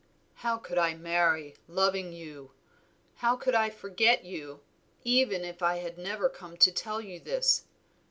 "How could I marry, loving you? How could I forget you even if I had never come to tell you this?